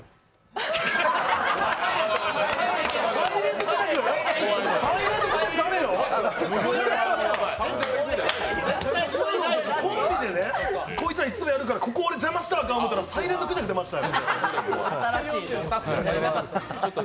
好意でこいつらいつもやるから待ってたらここ、俺、邪魔したらあかんと思ったら、サイレントクジャク出ましたよ。